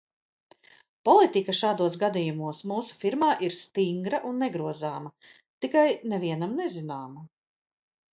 Politika šādos gadījumos mūsu firmā ir stinga un negrozāma, tikai nevienam nezināma...